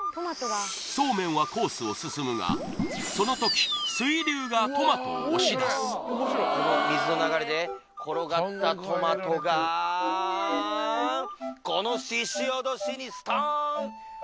そうめんはコースを進むがその時この水の流れで転がったトマトがこのししおどしにストーン！